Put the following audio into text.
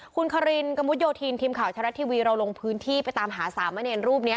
คุณคารินกระมุดโยธินทีมข่าวชะละทีวีเราลงพื้นที่ไปตามหาสามะเนรรูปนี้